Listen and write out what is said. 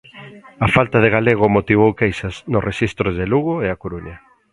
A falta de galego motivou queixas nos rexistros de Lugo e A Coruña.